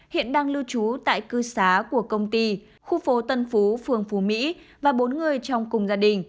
hiện đang lưu trú tại cư xá của công ty khu phố tân phú phường phú mỹ và bốn người trong cùng gia đình